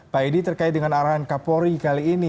pak edi terkait dengan arahan kapolri kali ini